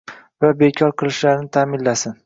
va bekor qilishlarini ta’minlasin.